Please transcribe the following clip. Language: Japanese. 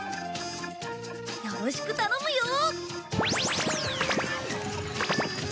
よろしく頼むよ！